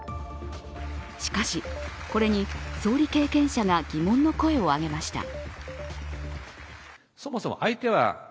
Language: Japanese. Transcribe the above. しかし、これに総理経験者が疑問の声を上げました。